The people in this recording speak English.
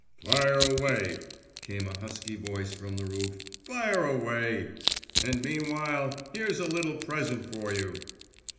'Fire away!' came a husky voice from the roof. 'Fire away! And meanwhile here's a little present for you!